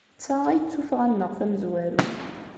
D ta ay d tuffɣa-nneɣ tamezwarut.